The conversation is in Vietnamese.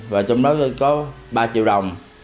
và trong đó có ba triệu đồng